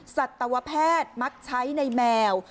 สัตวแพทย์มักใช้ในแมว